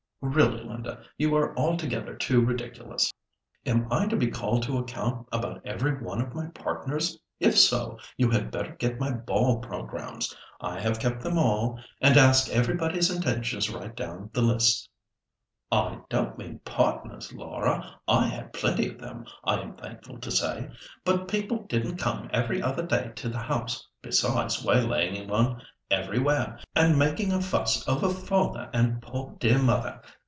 "Really Linda, you are altogether too ridiculous. Am I to be called to account about every one of my partners? If so, you had better get my ball programmes—I have kept them all—and ask everybody's intentions right down the lists." "I don't mean partners, Laura; I had plenty of them, I am thankful to say; but people didn't come every other day to the house—besides waylaying one everywhere, and making a fuss over father and poor dear mother.